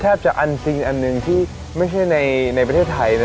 แทบจะอันจริงอันหนึ่งที่ไม่ใช่ในประเทศไทยนะ